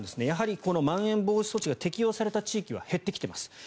やはり、まん延防止措置が適用された地域は減ってきています。